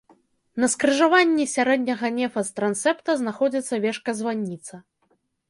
На скрыжаванні сярэдняга нефа з трансепта знаходзіцца вежка-званніца.